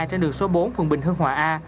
trên đường số bốn phường bình hương hòa a